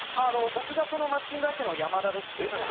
僕がそのマッチング相手のやまだです。